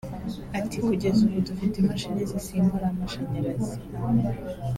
Ati “Kugeza ubu dufite imashini zisimbura amashanyarazi